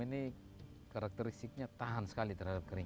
ini karakteristiknya tahan sekali terhadap kering